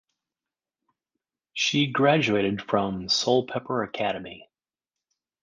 She graduated from Soulpepper Academy.